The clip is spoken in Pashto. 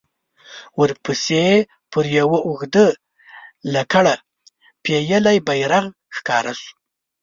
ورپسې پر يوه اوږده لکړه پېيلی بيرغ ښکاره شو.